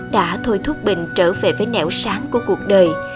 đã thôi thúc bình trở về với nẻo sáng của cuộc đời